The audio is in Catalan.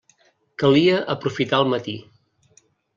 Calia aprofitar el matí.